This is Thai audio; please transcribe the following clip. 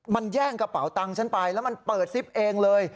มันแย่งกระเป๋าตังค์ฉันไปแล้วมันเปิดซิปเองเลย